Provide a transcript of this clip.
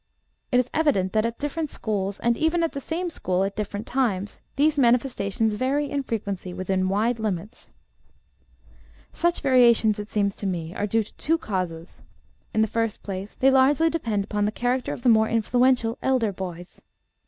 It is evident that at different schools, and even at the same school at different times, these manifestations vary in frequency within wide limits. Such variations, it seems to me, are due to two causes. In the first place, they largely depend upon the character of the more influential elder boys.